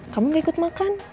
kamu gak ikut makan